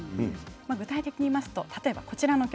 具体的に言いますとこちらの曲。